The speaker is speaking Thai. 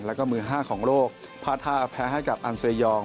แล้วก็มือห้าของโลกพลาดท่าแพ้ให้กับอันเซยอง